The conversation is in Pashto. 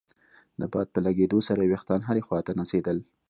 د باد په لګېدو سره يې ويښتان هرې خوا ته نڅېدل.